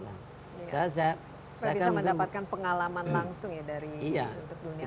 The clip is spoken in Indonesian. supaya bisa mendapatkan pengalaman langsung ya dari dunia kerja